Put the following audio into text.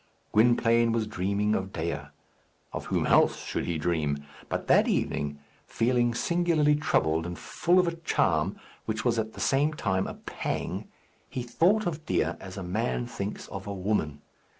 Gwynplaine was dreaming of Dea. Of whom else should he dream? But that evening, feeling singularly troubled, and full of a charm which was at the same time a pang, he thought of Dea as a man thinks of a woman.